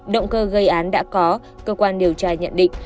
động cơ gây án đã có cơ quan điều tra nhận định